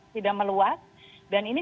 tidak meluas dan ini